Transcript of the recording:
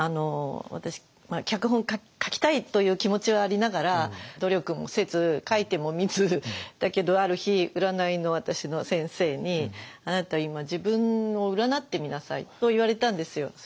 私脚本書きたいという気持ちはありながら努力もせず書いてもみずだけどある日占いの私の先生に「あなた今自分を占ってみなさい」と言われたんですよ。